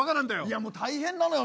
いやもう大変なのよ。